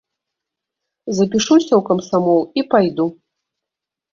Запішуся ў камсамол і пайду.